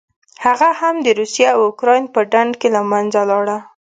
هغه هم د روسیې او اوکراین په ډنډ کې له منځه لاړه.